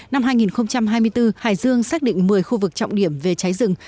năm hai nghìn hai mươi bốn hải dương xác định một mươi khu vực trọng điểm về cháy rừng